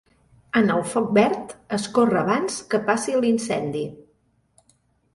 En el Foc Verd es corre abans que passi l'incendi.